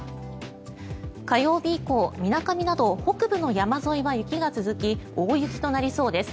火曜日以降、みなかみなど北部の山沿いは雪が続き大雪となりそうです。